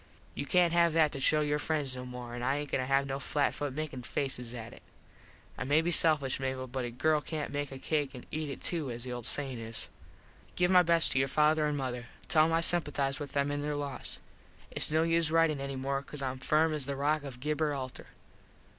You cant have that to show your friends no more an I aint goin to have no flat foot makin faces at it. I may be selfish, Mable, but a girl cant make a cake an eat it too as the old sayin is. [Illustration: "IT WONT BE NO USE RUNIN TO THE DOOR"] Give my best to your father an mother. Tell em I simpathize with them in there loss. Its no use ritin any more cause Im firm as the rock of Gibber Alter.